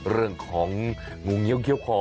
เรื่องของงูเงี้ยเขี้ยคอ